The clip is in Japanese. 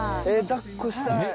えっだっこしたい。